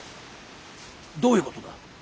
どういうことだ？